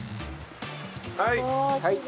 はい。